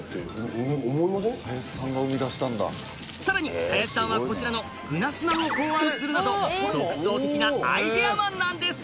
さらに林さんはこちらの具なしまんを考案するなど独創的なアイデアマンなんです！